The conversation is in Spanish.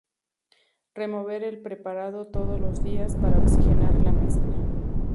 Remover el preparado todos los días, para oxigenar la mezcla.